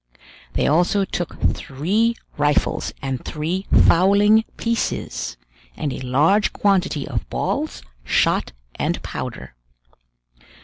They took also three rifles and three fowling pieces, and a large quantity of balls, shot, and powder.